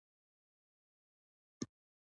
چې بايد ټول يې ومنو.